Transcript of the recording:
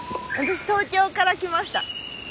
私東京から来ました。